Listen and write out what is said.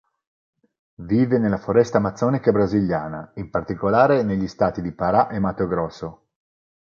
Vive nella foresta amazzonica brasiliana, in particolare negli stati di Pará e Mato Grosso.